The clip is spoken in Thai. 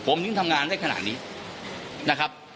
ผมถึงทำงานได้ขนาดนี้นะครับ